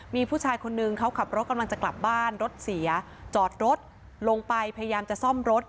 มีผู้ชายคนนึงเขาขับรถกำลังจะกลับบ้านรถเสียจอดรถลงไปพยายามจะซ่อมรถ